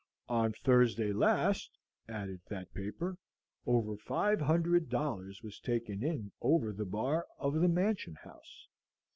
"On Thursday last," added that paper, "over five hundred dollars was taken in over the bar of the Mansion House."